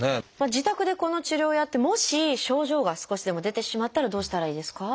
自宅でこの治療をやってもし症状が少しでも出てしまったらどうしたらいいですか？